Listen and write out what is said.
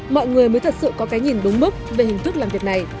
mọi người mới thật sự có cái nhìn đúng mức về hình thức làm việc này